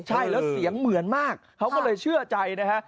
ใช่แล้วเสียงเหมือนมากเขาก็เลยเชื่อใจนะฮะ